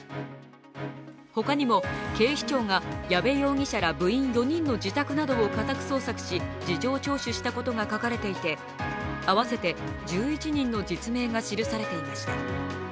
ほかにも警視庁が矢部容疑者ら部員４人の自宅などを家宅捜索し、事情聴取したことが書かれていて合わせて１１人の実名が記されていました。